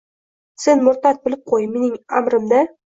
Sen murtad, bilib qo’y, mening amrimda